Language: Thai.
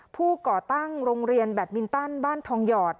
ก่อตั้งโรงเรียนแบตมินตันบ้านทองหยอด